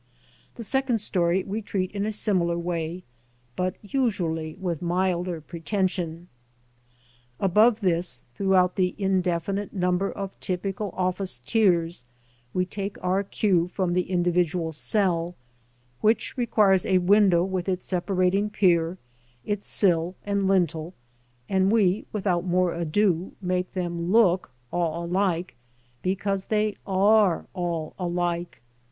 The second story we treat in a similar way, but usually with milder pretension. Above this, throughout the in definite number of typical office tiers, we take our cue from the indi vidual cell, which requires a window with its separating pier, its sill and lintel, and we, without more ado, make them look all alike because they are all alike.